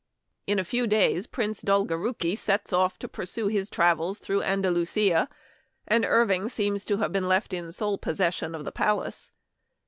In a few days Prince Dolgorouki sets off to pursue his travels through Andalusia ; and Irv ing seems to have been left in sole possession of the palace.